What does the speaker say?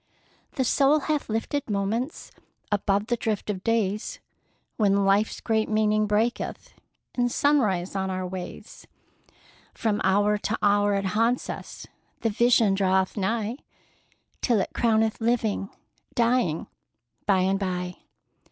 The soul hath lifted moments Above the drift of days, When life's great meaning breaketh In sunrise on our ways; From hour to hour it haunts us, The vision draweth nigh, Till it crowneth living, dying, by and by!